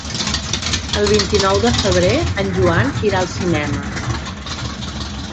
El vint-i-nou de febrer en Joan irà al cinema.